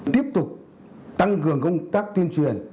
tiếp tục tăng cường công tác tuyên truyền